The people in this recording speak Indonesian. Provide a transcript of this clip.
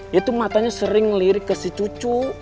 ya itu matanya sering ngelirik ke si cucu